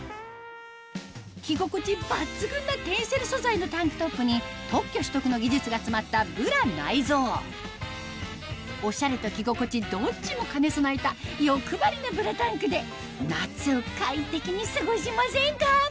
着心地抜群なテンセル素材のタンクトップに特許取得の技術が詰まったブラ内蔵オシャレと着心地どっちも兼ね備えた欲張りなブラタンクで夏を快適に過ごしませんか？